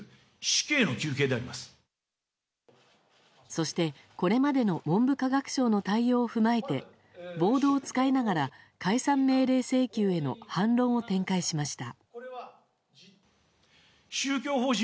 そして、これまでの文部科学省の対応を踏まえてボードを使いながら解散命令請求への反論を展開しました。